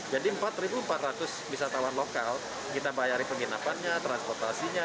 jadi empat empat ratus wisatawan lokal kita bayarin penginapannya transportasinya